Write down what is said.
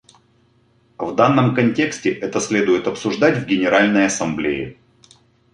В данном контексте это следует обсуждать в Генеральной Ассамблее.